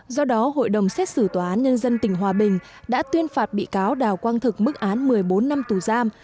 do đó hội đồng xét xử tòa án nhân dân tỉnh hòa bình đã tuyên phạt bị cáo đào quang thực mức án một mươi bốn năm tù giam